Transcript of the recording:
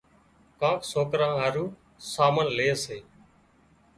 ڪانڪ سوڪريان هارو سامان لي سي